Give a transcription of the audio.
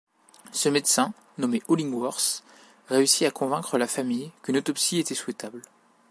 Ce médecin, nommé Hollingworth, réussit à convaincre la famille qu'une autopsie était souhaitable.